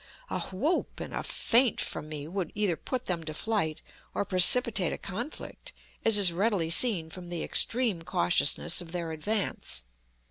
A whoop and a feint from me would either put them to flight, or precipitate a conflict, as is readily seen from the extreme cautiousness of their advance.